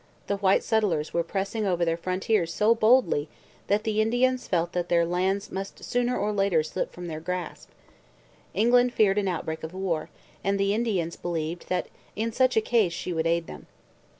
The white settlers were pressing over their frontiers so boldly that the Indians felt that their lands must sooner or later slip from their grasp. England feared an outbreak of war, and the Indians believed that in such a case she would aid them.